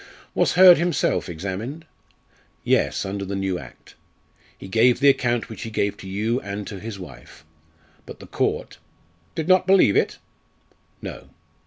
"Was Hurd himself examined?" "Yes, under the new Act. He gave the account which he gave to you and to his wife. But the Court " "Did not believe it?" "No.